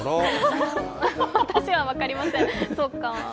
私は分かりません。